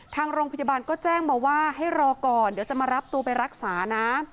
ทางโรงพยาบาลก็แจ้งมาว่าให้รอก่อนเดี๋ยวจะมารับตัวไปรักษานะ